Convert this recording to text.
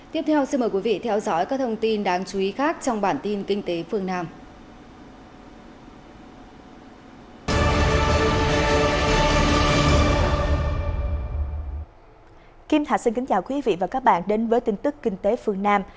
kim thạch xin kính chào quý vị và các bạn đến với tin tức kinh tế phương nam